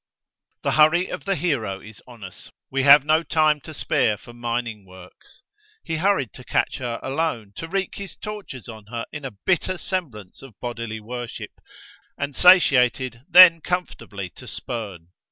The hurry of the hero is on us, we have no time to spare for mining works: he hurried to catch her alone, to wreak his tortures on her in a bitter semblance of bodily worship, and satiated, then comfortably to spurn.